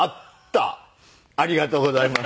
ありがとうございます。